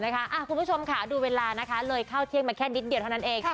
คุณผู้ชมดูเวลานะเลยข้าวเที่ยงมันแค่นิดเดียวแค่นั้นเอง